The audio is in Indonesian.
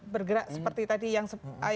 bergerak seperti tadi yang